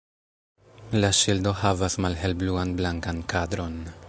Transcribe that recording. La ŝildo havas malhelbluan-blankan kadron.